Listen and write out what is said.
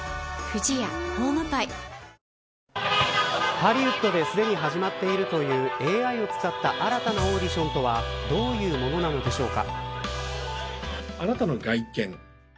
ハリウッドですでに始まっているというＡＩを使った新たなオーディションとはどういうものなのでしょうか。